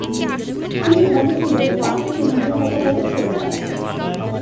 তিনি বলেছিলেন, ' তাঁদেরকে নিজের মতো করে ছেড়ে দাও।